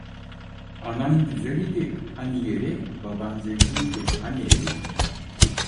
Anan güzel idi, hani yeri, baban zengin idi, hani evi.